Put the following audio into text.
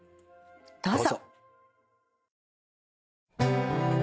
どうぞ。